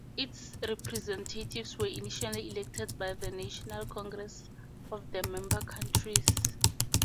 Its representatives were initially elected by the national congresses of the member countries.